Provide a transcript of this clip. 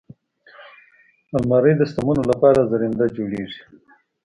الماري د شتمنو لپاره زرینده جوړیږي